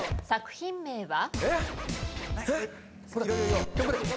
作品名は？